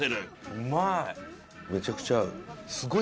うまい